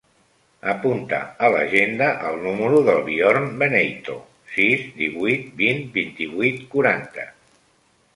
Apunta a l'agenda el número del Bjorn Beneyto: sis, divuit, vint, vint-i-vuit, quaranta.